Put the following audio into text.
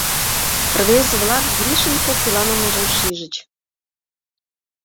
Рвезе-влак Гришын коктеланымыжым шижыч.